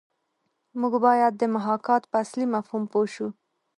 موږ باید د محاکات په اصلي مفهوم پوه شو